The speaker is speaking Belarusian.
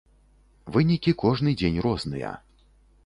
Вынікі кожны дзень розныя.